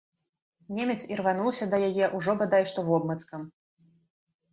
Немец ірвануўся да яе ўжо бадай што вобмацкам.